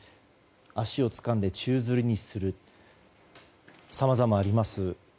足をつかんで宙づりにするさまざまあります。